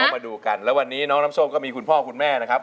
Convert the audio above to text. มาดูกันแล้ววันนี้น้องน้ำส้มก็มีคุณพ่อคุณแม่นะครับ